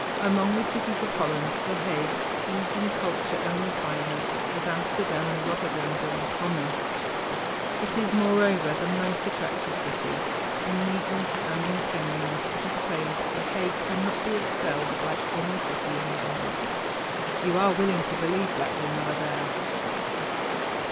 Among the cities of Holland, The Hague leads in culture and refinement, as Amsterdam and Rotterdam do in commerce. It is, moreover, the most attractive city. In neatness and in cleanliness it is claimed that The Hague cannot be excelled by any city in the world. You are willing to believe that when you are there.